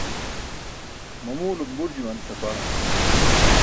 Mamuwlum bur juwan sapaa.